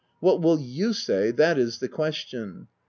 What will you say ?— that is the question.